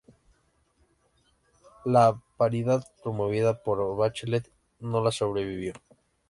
La paridad promovida por Bachelet no la sobrevivió.